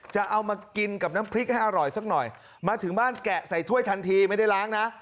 จะเอามากินกับน้ำพริกให้อร่อยสักหน่อยมาถึงบ้านแกะใส่ถ้วยทันทีไม่ได้ล้างนะ